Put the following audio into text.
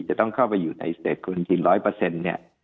จะต้องเข้าไปอยู่ในสเตตคอรันที๑๐๐